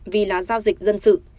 vì là giao dịch dân sự